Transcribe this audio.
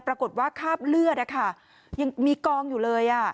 ปรากฏว่าคาบเลือดนะคะยังมีกองอยู่เลยอ่ะ